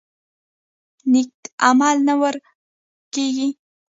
نیک عمل نه ورک کیږي